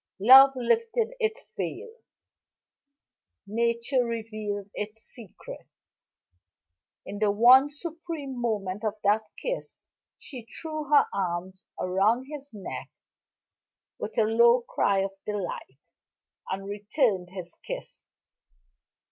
Love lifted its veil, Nature revealed its secrets, in the one supreme moment of that kiss. She threw her arms around his neck with a low cry of delight and returned his kiss.